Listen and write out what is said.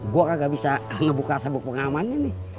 gue gak bisa ngebuka sabuk pengamannya nih